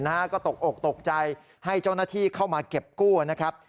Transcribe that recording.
นะฮะก็ตกอกตกใจให้เจ้าหน้าที่เข้ามาเก็บกู้นะครับ